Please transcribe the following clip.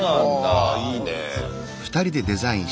はいいね。